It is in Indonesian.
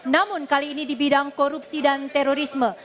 namun kali ini di bidang korupsi dan terorisme